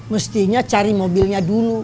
mestinya cari mobilnya dulu